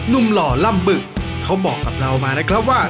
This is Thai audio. หล่อลำบึกเขาบอกกับเรามานะครับว่า